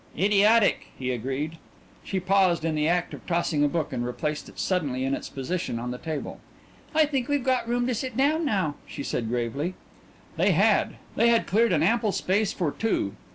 "Idiotic," he agreed. She paused in the act of tossing a book, and replaced it suddenly in its position on the table. "I think we've got room to sit down now," she said gravely. They had; they had cleared an ample space for two.